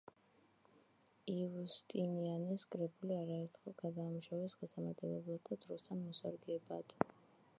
იუსტინიანეს კრებული არაერთხელ გადაამუშავეს გასამარტივებლად და დროსთან მოსარგებად.